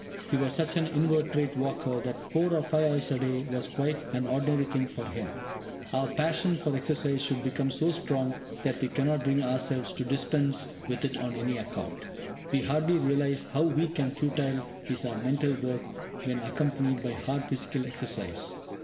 He was such an inveterate walker that four or five hours a day was quite an ordinary thing with him! Our passion for exercise should become so strong that we cannot bring ourselves to dispense with it on any account. We hardly realise how weak and futile is our mental work when unaccompanied by hard physical exercise.